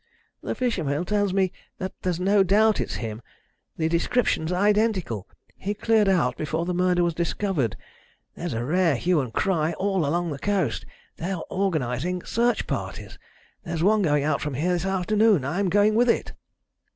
"The fisherman tells me that there's no doubt it's him the description's identical. He cleared out before the murder was discovered. There's a rare hue and cry all along the coast. They are organizing search parties. There's one going out from here this afternoon. I'm going with it."